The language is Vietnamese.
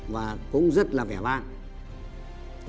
và cũng rất là vẻ vang